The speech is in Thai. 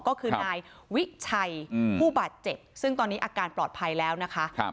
ก็คือนายวิชัยผู้บาดเจ็บซึ่งตอนนี้อาการปลอดภัยแล้วนะคะ